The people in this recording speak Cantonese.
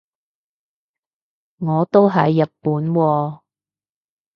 我都喺日本喎